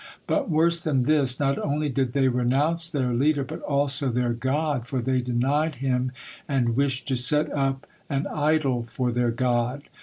But worse than this, not only did they renounce their leader, but also their God, for they denied Him and wished to set up and idol for their God.